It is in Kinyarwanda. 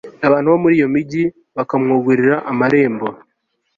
abantu bo muri iyo migi bakamwugururira amarembo